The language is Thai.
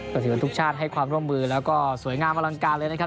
ก็ถือว่าทุกชาติให้ความร่วมมือแล้วก็สวยงามอลังการเลยนะครับ